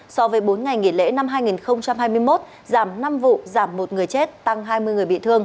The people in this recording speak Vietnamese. so với bốn ngày nghỉ lễ năm hai nghìn hai mươi một giảm năm vụ giảm một người chết tăng hai mươi người bị thương